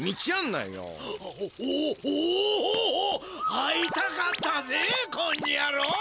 会いたかったぜこんにゃろう！